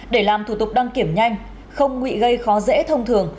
để làm thủ tục đăng kiểm nhanh không nguy gây khó dễ thông thường